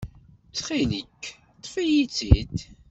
Ttxil-k, ṭṭef-itt-id.